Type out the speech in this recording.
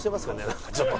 なんかちょっと。